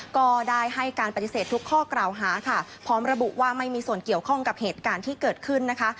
ก็ได้ให้การปฏิเสธทุกข้อกล่าวหาค่ะพร้อมระบุว่าไม่มีส่วนเกี่ยวข้องกับเหตุการณ์ที่เกิดขึ้นนะคะ